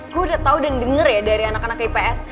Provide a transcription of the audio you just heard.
aku udah tau dan dengar ya dari anak anak ips